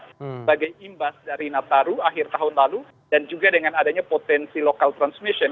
sebagai imbas dari nataru akhir tahun lalu dan juga dengan adanya potensi local transmission